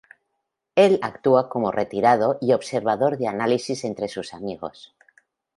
Él actúa como retirado y observador de análisis entre sus amigos.